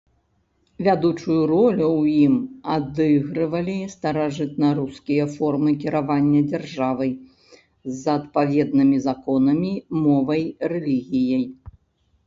Вядучую ролю ў ім адыгрывалі старажытнарускія формы кіравання дзяржавай з адпаведнымі законамі, мовай, рэлігіяй.